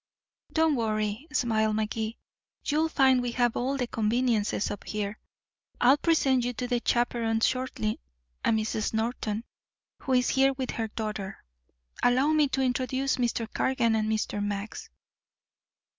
"Don't worry," smiled Magee. "You'll find we have all the conveniences up here. I'll present you to a chaperon shortly a Mrs. Norton, who is here with her daughter. Allow me to introduce Mr. Cargan and Mr. Max."